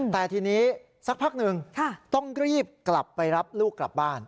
แต่ทีนี้สักพักหนึ่งต้องรีบกลับไปรับลูกกลับบ้าน